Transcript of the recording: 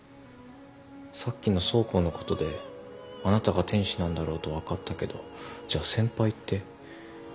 さっきの倉庫のことであなたが天使なんだろうと分かったけどじゃあ先輩って？